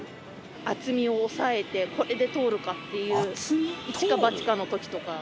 厚みを抑えてこれで通るかっていう一か八かの時とか。